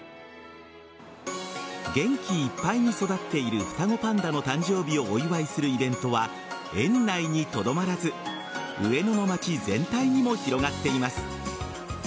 元気いっぱいに育っている双子パンダの誕生日をお祝いするイベントは園内にとどまらず上野の街全体にも広がっています。